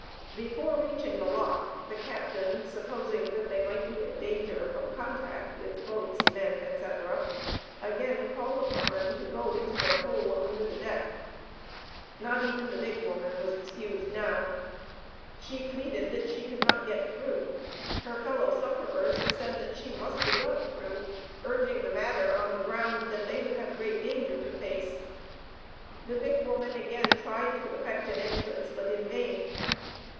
Before reaching the lock the Captain supposing that they might be in danger from contact with boats, men, etc., again called upon them "to go into their hole" under the deck. Not even the big woman was excused now. She pleaded that she could not get through, her fellow sufferers said that she must be got through urging the matter on the ground that they would have great danger to face. The big woman again tried to effect an entrance, but in vain.